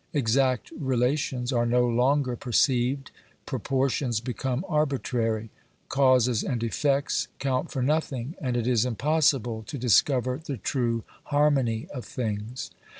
Exact relations are no longer perceived, proportions become OBERMANN 217 arbitrary ; causes and effects count for nothing ; and it is impossible to discover the true harmony of things.